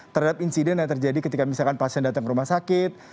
terhadap insiden yang terjadi ketika misalkan pasien datang ke rumah sakit